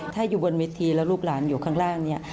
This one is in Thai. ถ้าอยู่บนเวทีแล้วลูกหลานอยู่ข้างล่างเนี่ย